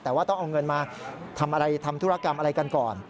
แต่ว่าต้องเอาเงินมาทำอะไรทำธุรกรรมอะไรกันก่อน